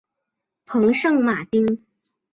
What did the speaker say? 蓬圣马丁。